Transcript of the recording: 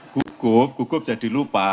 gugup gugup jadi lupa